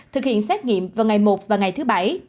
thực hiện xét nghiệm vào ngày một và ngày thứ bảy